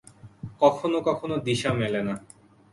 কখনো কখনো দিশা মেলে না।